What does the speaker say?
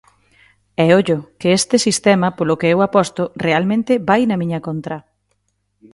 E ollo, que este sistema polo que eu aposto, realmente, vai na miña contra.